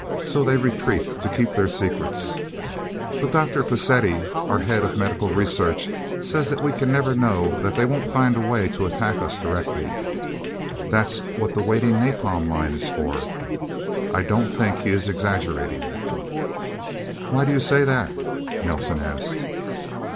So they retreat to keep their secrets. But Dr. Pacetti, our head of Medical Research, says that we can never know that they won't find a way to attack us directly. That's what the waiting napalm line is for. I don't think he is exaggerating." "Why do you say that?" Nelsen asked.